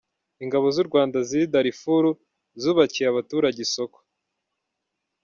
Ingabo z’ u Rwanda ziri Darifuru zubakiye abaturage isoko